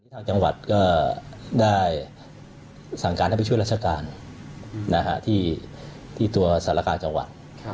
ทางจังหวัดก็ได้สั่งการให้ไปช่วยราชการที่ตัวสารกาจังหวัด